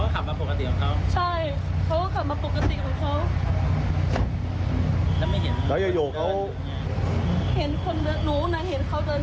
เขาหักหลบมอเตอร์ไซต์ที่แซงขึ้นมา